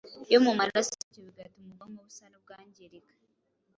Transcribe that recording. yo mu maraso bityo bigatuma ubwonko busa n’ubwangirika